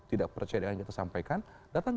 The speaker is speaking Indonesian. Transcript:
tidak percaya dengan yang kita sampaikan datang